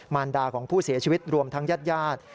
รดาของผู้เสียชีวิตรวมทั้งญาติญาติ